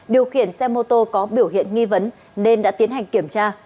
điều khiển xe mô tô có biểu hiện nghi vấn nên đã tiến hành kiểm tra